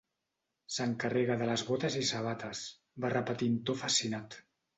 "S'encarrega de les botes i sabates", va repetir en to fascinat.